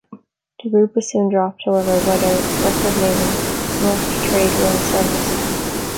The group was soon dropped, however, by their record label, Rough Trade World Service.